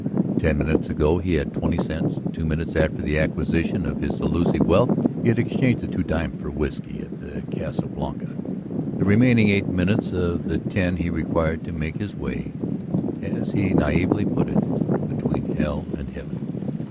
Ten minutes ago he had had twenty cents; two minutes after the acquisition of his elusive wealth he had exchanged the two dimes for whiskey at the Casa Blanca; the remaining eight minutes of the ten he required to make his way, as he naively put it, "between hell and heaven."